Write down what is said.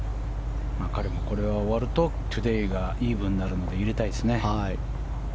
彼もこれが終わるとトゥデーがイーブンになるので入れたい。